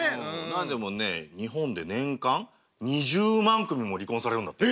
何でもね日本で年間２０万組も離婚されるんだって。